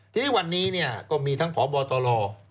ทีนี้วันนี้ก็มีทั้งพบตร